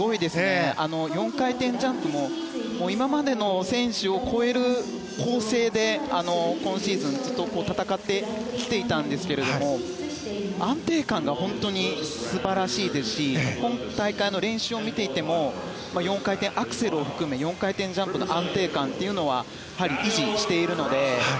４回転ジャンプも今までの選手を超える構成で今シーズン、ずっと戦ってきていたんですけれども安定感が本当に素晴らしいですし今大会の練習を見ていても４回転アクセルを含め４回転ジャンプの安定感はやはり維持しているので。